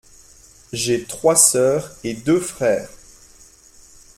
J’ai trois sœurs et deux frères.